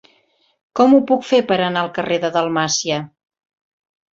Com ho puc fer per anar al carrer de Dalmàcia?